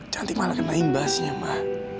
cantik malah kena imbasnya mah